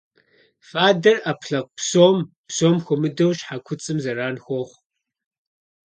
Фадэр Ӏэпкълъэпкъ псом, псом хуэмыдэу щхьэ куцӀым зэран хуэхъу.